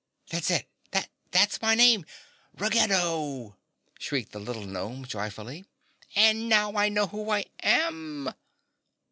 That's it, THAT'S my name, Ruggedo!" shrieked the little gnome joyfully, "and now I know who I am!"